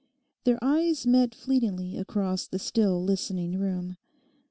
Their eyes met fleetingly across the still, listening room.